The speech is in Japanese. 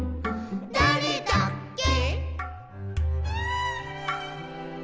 「だれだっけ」